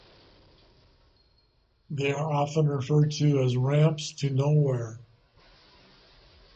They are often referred to as "ramps to nowhere".